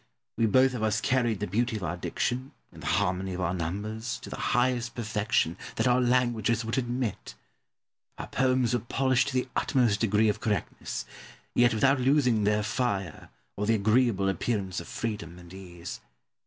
We both of us carried the beauty of our diction, and the harmony of our numbers, to the highest perfection that our languages would admit. Our poems were polished to the utmost degree of correctness, yet without losing their fire, or the agreeable appearance of freedom and ease.